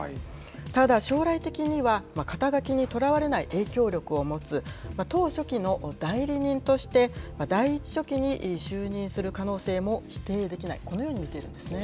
ただ、将来的には、肩書に捉われない影響力を持つ、党書記の代理人として第１書記に就任する可能性も否定できない、このように見ているんですね。